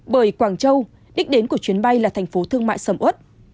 bởi quảng châu đích đến của chuyến bay là thành phố thương mại sầm ớt